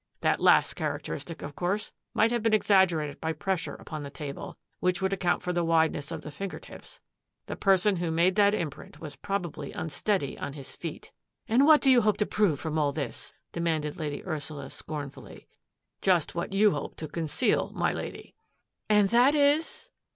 That last characteristic, of course, might have been exaggerated by pressure upon the table, which would account for the wideness of the finger tips. The person who made that imprint was probably unsteady on his feet." And what do you hope to prove from all this ?" demanded Lady Ursula scornfully. " Just what you hope to conceal, my Lady." "And that is?"